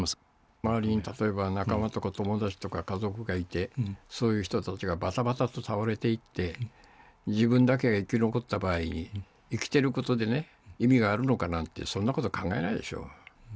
周りに、例えば仲間とか友達とか、家族がいて、そういう人たちがばたばたと倒れていって、自分だけ生き残った場合に、生きていることでね、意味があるのかなんて、そんなこと考えないでしょう。